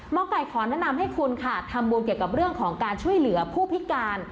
ไก่ขอแนะนำให้คุณค่ะทำบุญเกี่ยวกับเรื่องของการช่วยเหลือผู้พิการ